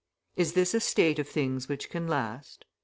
Is this a state of things which can last?